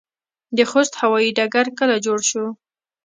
د خوست هوايي ډګر کله جوړ شو؟